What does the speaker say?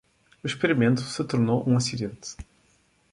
O experimento se tornou um acidente.